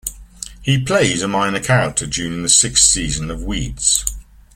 He plays a minor character during the sixth season of "Weeds".